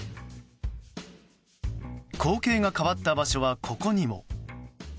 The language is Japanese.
光景が変わった場所はここにも。